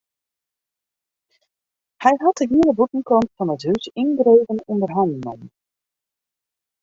Hy hat de hiele bûtenkant fan it hûs yngreven ûnder hannen nommen.